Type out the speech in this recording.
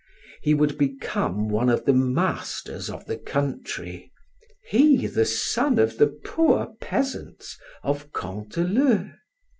He would become one of the masters of the country he, the son of the poor peasants of Canteleu.